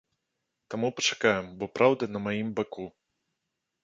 Таму пачакаем, бо праўда на маім баку.